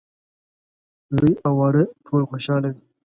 لوی او واړه ټول خوشاله وي.